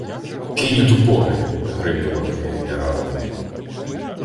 — Кинь оту погань! — гримнула княгиня Рада.